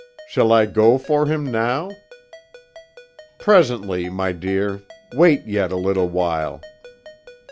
Shall I go for him now?' "'Presently, my dear. Wait yet a little while.'